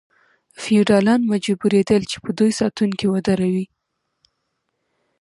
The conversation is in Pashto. فیوډالان مجبوریدل چې په دوی ساتونکي ودروي.